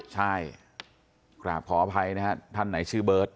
ใช่กราบขออภัยนะฮะท่านไหนชื่อเบิร์ต